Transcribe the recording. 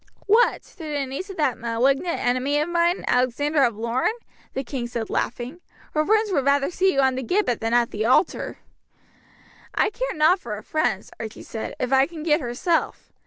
"What! to the niece of that malignant enemy of mine, Alexander of Lorne?" the king said laughing. "Her friends would rather see you on the gibbet than at the altar." "I care nought for her friends," Archie said, "if I can get herself.